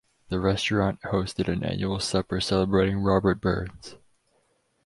The restaurant hosted an annual supper celebrating Robert Burns.